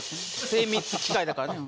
精密機械だからね。